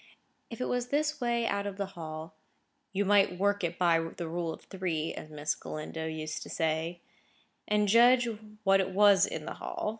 If it was this way out of the Hall, "you might work it by the rule of three," as Miss Galindo used to say, and judge what it was in the Hall.